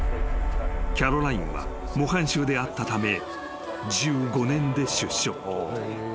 ［キャロラインは模範囚であったため１５年で出所］